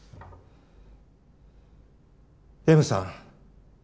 Ｍさん。